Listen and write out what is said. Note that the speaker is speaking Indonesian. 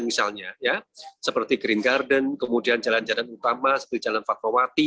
misalnya ya seperti green garden kemudian jalan jalan utama seperti jalan fatwati